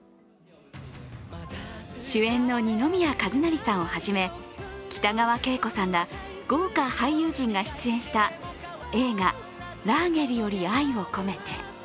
主演の二宮和也さんを初め、北川景子さんら豪華俳優陣が出演した映画「ラーゲリより愛を込めて」。